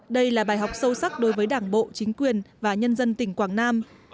đây là bài học sâu sắc đối với đảng bộ chính quyền và nhân dân tỉnh quảng nam